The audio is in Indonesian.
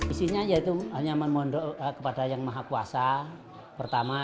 isinya yaitu hanya memondok kepada yang maha kuasa pertama